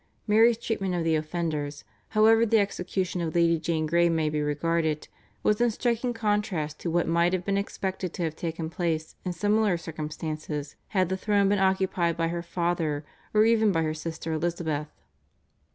Mary's treatment of the offenders, however the execution of Lady Jane Grey may be regarded, was in striking contrast to what might have been expected to have taken place in similar circumstances had the throne been occupied by her father or even by her sister Elizabeth.